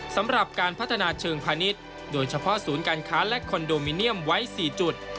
สำหรับการพัฒนาเชิงพาณิชย์โดยเฉพาะศูนย์การค้าและคอนโดมิเนียมไว้๔จุด